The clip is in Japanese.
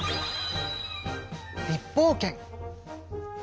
立法権。